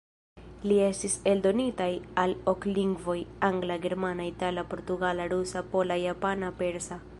Ili estis eldonitaj al ok lingvoj: Angla, Germana, Itala, Portugala, Rusa, Pola, Japana, Persa.